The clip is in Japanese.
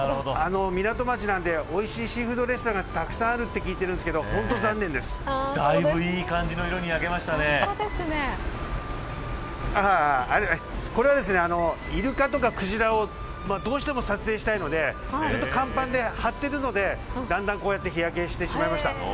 港町なんで、おいしいシーフードレストランがたくさんあると聞いてるんですけどだいぶいい感じの色にこれはですねイルカとかクジラをどうしても撮影したいのでずっと甲板で張ってるのでだんだんこうやって日焼けしてしまいました。